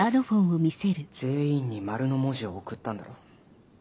全員に「○」の文字を送ったんだろ？